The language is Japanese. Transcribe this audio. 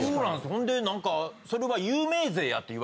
ほんで何かそれは。